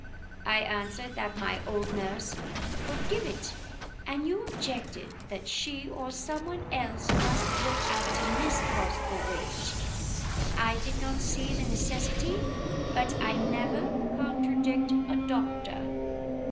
I answered that my old nurse could give it, and you objected that she or someone else must look after Miss Postlethwaite. I did not see the necessity, but I never contradict a doctor.